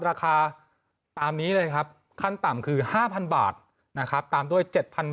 ราคาตามนี้เลยครับขั้นต่ำคือ๕๐๐๐บาทตามด้วย๗๐๐๐บาท